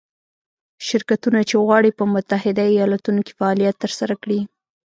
شرکتونه چې غواړي په متحده ایالتونو کې فعالیت ترسره کړي.